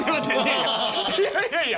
いやいやいやいや。